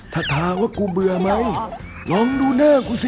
ถ้าถามว่ากูเบื่อไหมลองดูหน้ากูสิ